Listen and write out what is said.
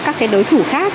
các cái đối thủ khác